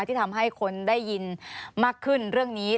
ที่ทำให้คนได้ยินมากขึ้นเรื่องนี้